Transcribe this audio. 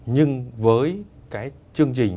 nhưng với cái chương trình